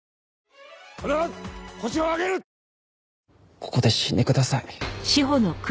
ここで死んでください。